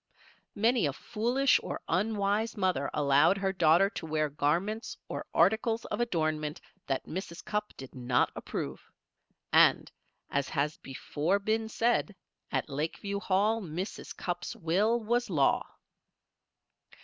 Many a foolish or unwise mother allowed her daughter to wear garments or articles of adornment that Mrs. Cupp did not approve. And, as has before been said, at Lakeview Hall Mrs. Cupp's will was law.